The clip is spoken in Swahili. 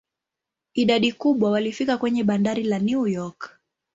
Idadi kubwa walifika kwenye bandari la New York.